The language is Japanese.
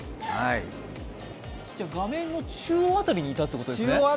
画面の中央辺りにいたということですね。